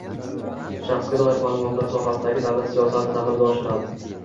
shaxsga doir ma’lumotlar sohasidagi davlat siyosatini amalga oshiradi;